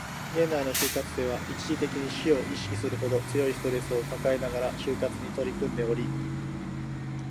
現代の就活生は、一時的に死を意識するほど強いストレスを抱えながら就活に取り組んでおり